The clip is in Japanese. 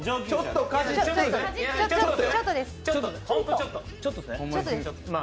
ちょっとだって！